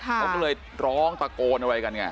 เขาก็เลยร้องตะโกนอะไรกันไง